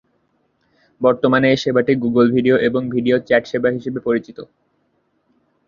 তবে বর্তমানে এ সেবাটি গুগল ভিডিও এবং ভিডিও চ্যাট সেবা হিসেবে পরিচিত।